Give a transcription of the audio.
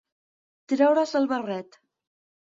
Treure's del barret.